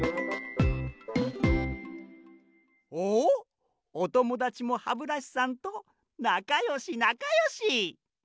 おっおともだちもハブラシさんとなかよしなかよし！